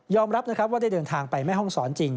รับนะครับว่าได้เดินทางไปแม่ห้องศรจริง